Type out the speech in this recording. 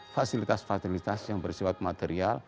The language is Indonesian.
fasilitas fasilitas yang bersifat material